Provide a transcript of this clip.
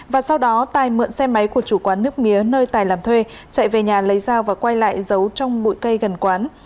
và sau đó tài mượn xe máy của chủ quán nước mía nơi tài làm thuê chạy về nhà lấy dao và quay lại giấu trong bụi cây gần quán